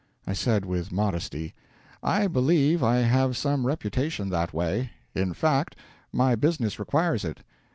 I said, with modesty: "I believe I have some reputation that way. In fact, my business requires it."